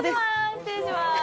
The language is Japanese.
失礼しまーす。